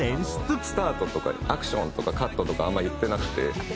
「スタート」とか「アクション」とか「カット」とかあまり言ってなくて。